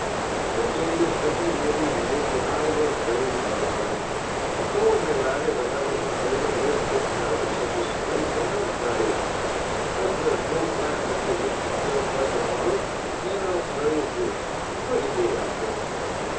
"The day is pretty nearly ended, and I will drame over it. I told me laddy that that was my favorite way of getting out of such a scrape, and I'll thry it. If there's no plan that presints itself by to morrow, then I'll thry it then or the day after."